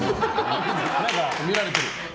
何か見られてる。